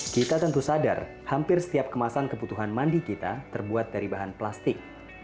kita tentu sadar hampir setiap kemasan kebutuhan mandi kita terbuat dari bahan plastik